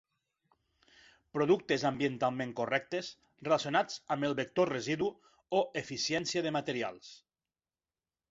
Productes ambientalment correctes, relacionats amb el vector residu o eficiència de materials.